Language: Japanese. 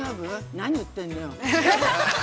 何言ってるのよ。